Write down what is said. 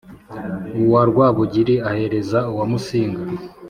uwa rwábugiri ahereza uwa músinga